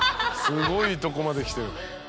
すごいとこまで来てる。